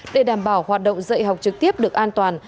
để đảm bảo hoạt động dạy học trực tiếp được an toàn